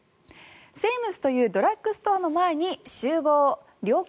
セイムスというドラッグストアの前に集合了解。